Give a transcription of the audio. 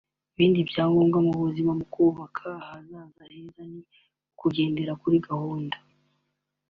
Ibindi byangombwa mu buzima mu kubaka ahazaza heza ni ukugendera kuri gahunda